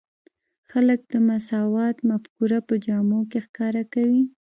خلک د مساوات مفکوره په جامو کې ښکاره کوي.